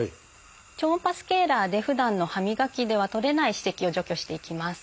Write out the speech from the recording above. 超音波スケーラーでふだんの歯磨きでは取れない歯石を除去していきます。